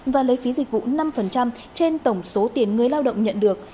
và lấy phí dịch vụ năm trên tổng số tiền người lao động nhận được